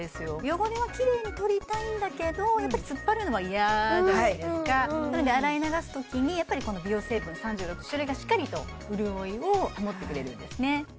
汚れはキレイに取りたいんだけどやっぱり突っ張るのは嫌じゃないですかなので洗い流すときにやっぱりこの美容成分３６種類がしっかりと潤いを保ってくれるんですね